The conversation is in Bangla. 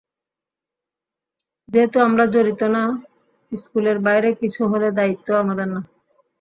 যেহেতু আমরা জড়িত না, স্কুলের বাইরে কিছু হলে দায়িত্বও আমাদের না।